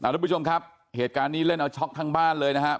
ทุกผู้ชมครับเหตุการณ์นี้เล่นเอาช็อกทั้งบ้านเลยนะครับ